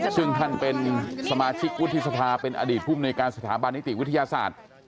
ซึ่งท่านเป็นสมาชิกวุฒิสภาเป็นอดีตภูมิในการสถาบันนิติวิทยาศาสตร์